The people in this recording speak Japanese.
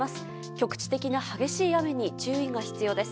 局地的な激しい雨に注意が必要です。